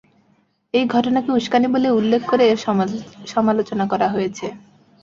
এই ঘটনাকে উসকানি বলে উল্লেখ করে এর সমালোচনা করা হয়েছে।